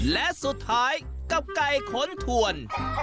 และสุดท้ายกับไก่ขนถวน